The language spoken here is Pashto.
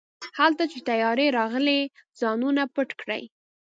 هلته چې طيارې راغلې ځانونه پټ کړئ.